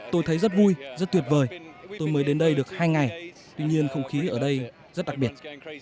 tôi thấy rất vui rất tuyệt vời tôi mới đến đây được hai ngày tuy nhiên không khí ở đây rất đặc biệt